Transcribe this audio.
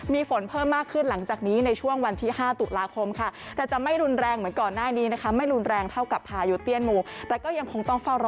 มีฝนเพิ่มมากขึ้นหลังจากนี้ในช่วงวันที่๕ตุลาคมค่ะ